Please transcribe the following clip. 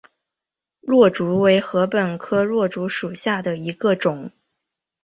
箬竹为禾本科箬竹属下的一个种。